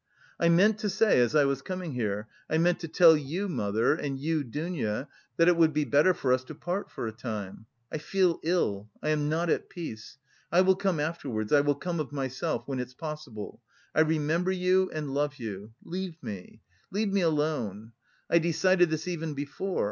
"I meant to say... as I was coming here... I meant to tell you, mother, and you, Dounia, that it would be better for us to part for a time. I feel ill, I am not at peace.... I will come afterwards, I will come of myself... when it's possible. I remember you and love you.... Leave me, leave me alone. I decided this even before...